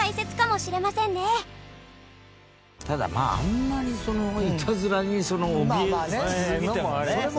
ただまああんまりそのいたずらにおびえ続けてもね。